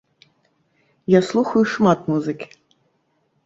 Я слухаю шмат музыкі.